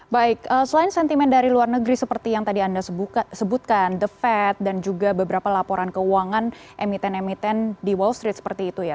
baik selain sentimen dari luar negeri seperti yang tadi anda sebutkan the fed dan juga beberapa laporan keuangan emiten emiten di wall street seperti itu ya